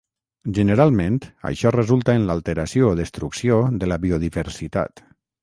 Generalment això resulta en l'alteració o destrucció de la biodiversitat.